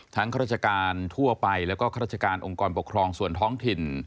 ข้าราชการทั่วไปแล้วก็ข้าราชการองค์กรปกครองส่วนท้องถิ่น